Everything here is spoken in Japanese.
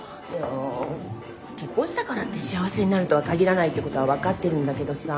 結婚したからって幸せになるとは限らないってことは分かってるんだけどさ